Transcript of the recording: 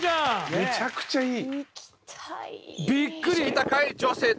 めちゃくちゃいい。